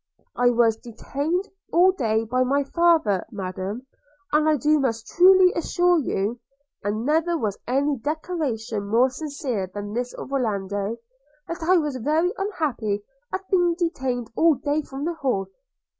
'I was detained all day by my father, Madam; and I do most truly assure you (and never was any declaration more sincere than this of Orlando), that I was very unhappy at being detained all day from the Hall.'